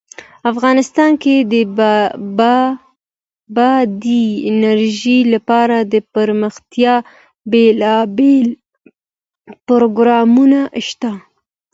افغانستان کې د بادي انرژي لپاره دپرمختیا بېلابېل پروګرامونه شته.